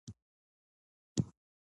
تاریخ د حاکمیت سند دی.